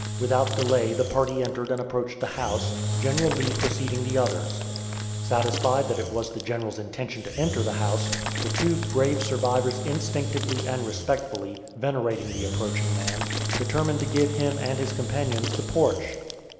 Without delay the party entered and approached the house, General Lee preceding the others. Satisfied that it was the General's intention to enter the house, the two "brave survivors" instinctively and respectfully, venerating the approaching man, determined to give him and his companions the porch.